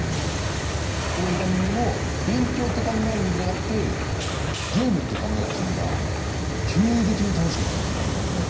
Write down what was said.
プログラミングも勉強って考えるんじゃなくてゲームって考えた瞬間急激に楽しくなる。